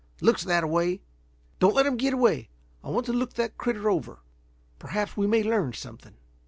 "Looks that way. Don't let him get away. I want to look the critter over. Perhaps we may learn something."